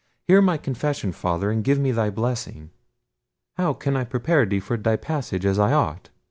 Hear my confession, Father; and give me thy blessing." "How can I prepare thee for thy passage as I ought?"